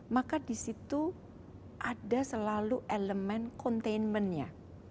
maka disitu ada selalu elemen containmentnya